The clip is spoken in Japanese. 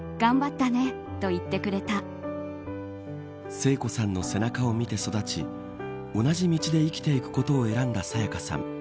聖子さんの背中を見て育ち同じ道で生きていくことを選んだ沙也加さん。